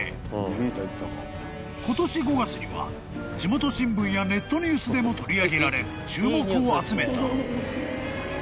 ［今年５月には地元新聞やネットニュースでも取り上げられ注目を集めた］